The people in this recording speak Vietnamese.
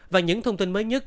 và những thông tin mới nhất